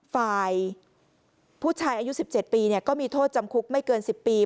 ฝ่ายผู้ชายอายุ๑๗ปีก็มีโทษจำคุกไม่เกิน๑๐ปี